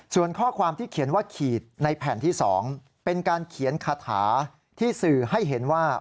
ส่วนข้อความที่เขียนว่าขีดในแผ่นที่๒เป็นการเขียนคาถาที่สื่อให้เห็นว่า